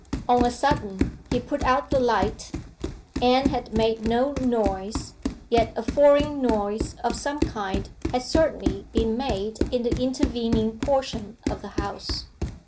On a sudden he put out the light. Anne had made no noise, yet a foreign noise of some kind had certainly been made in the intervening portion of the house.